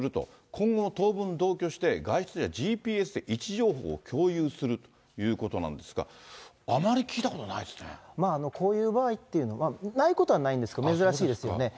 今後も当分同居して、外出にはＧＰＳで位置情報を共有するということなんですが、こういう場合っていうのは、ないことはないんですけど、珍しいですよね。